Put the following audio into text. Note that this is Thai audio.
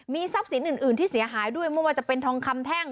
ทรัพย์สินอื่นที่เสียหายด้วยไม่ว่าจะเป็นทองคำแท่ง